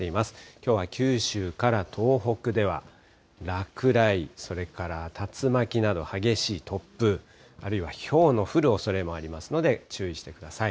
きょうは九州から東北では落雷、それから竜巻など激しい突風、あるいはひょうの降るおそれもありますので、注意してください。